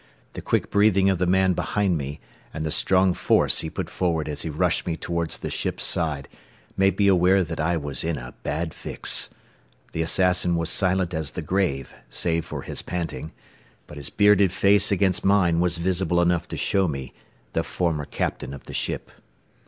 The quick breathing of the man behind me, and the strong force he put forward as he rushed me toward the ship's side, made me aware that I was in a bad fix. The assassin was silent as the grave, save for his panting, but his bearded face against mine was visible enough to show me the former captain of the ship.